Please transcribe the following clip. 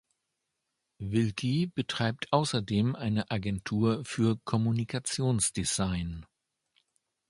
Wilkie betreibt außerdem eine Agentur für Kommunikationsdesign.